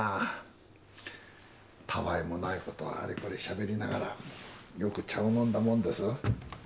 たわいもないことをあれこれしゃべりながらよく茶を飲んだもんです。